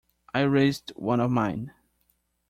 I raised one of mine.